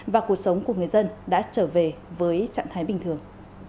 và cuộc sống của người dân đã trở về với trạng thái bình thường